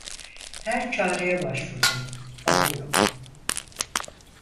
Her çareye başvurdum; fayda yok…